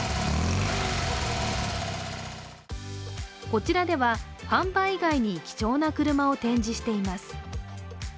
こちらでは販売以外に貴重な車を展示しています。